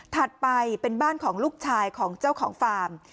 ไปเป็นบ้านของลูกชายของเจ้าของฟาร์ม